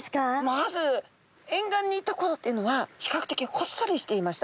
まず沿岸にいた頃っていうのは比較的ほっそりしていました。